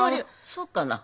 そっかな。